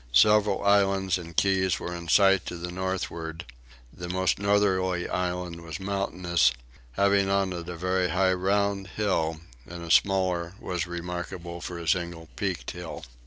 Several islands and keys were in sight to the northward: the most northerly island was mountainous, having on it a very high round hill, and a smaller was remarkable for a single peaked hill.